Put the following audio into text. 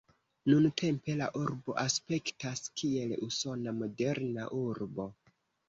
Nuntempe la urbo aspektas, kiel usona moderna urbo.